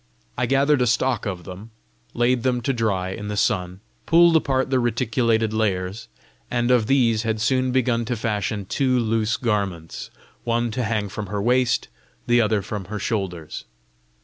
I gathered a stock of them, laid them to dry in the sun, pulled apart the reticulated layers, and of these had soon begun to fashion two loose garments, one to hang from her waist, the other from her shoulders.